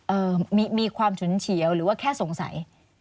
มีความฉุนเฉียวหรือว่าแค่สงสัย